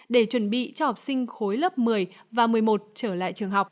để chuẩn bị cho học sinh khối lớp một mươi và một mươi một trở lại trường học